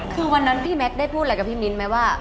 คือวันนั้นพี่แมทได้พูดอะไรกับพี่มิ้นไหมว่า